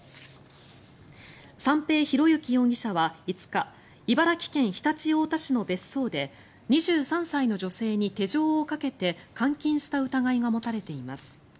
三瓶博幸容疑者は５日茨城県常陸太田市の別荘で２３歳の女性に手錠をかけて監禁した疑いが持たれています。